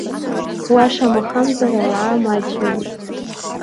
Уа шамахамзар ауаа маҷҩын.